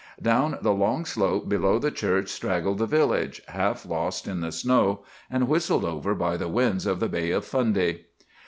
"Down the long slope below the church straggled the village, half lost in the snow, and whistled over by the winds of the Bay of Fundy.